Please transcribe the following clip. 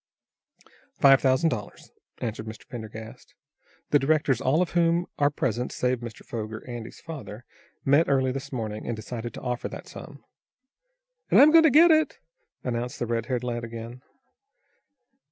"Five thousand dollars," answered Mr. Pendergast. "The directors, all of whom are present save Mr. Foger, Andy's father, met early this morning, and decided to offer that sum." "And I'm going to get it," announced the red haired lad again.